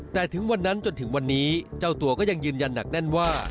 แต่ถึงวันนั้นจนถึงวันนี้เจ้าตัวก็ยังยืนยันหนักแน่นว่า